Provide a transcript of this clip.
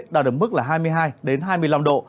đạt được mức là hai mươi hai hai mươi năm độ